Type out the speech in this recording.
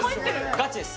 ガチです